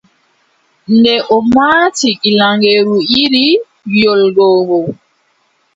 Nde o maati gilaŋeeru yiɗi yoolgomo,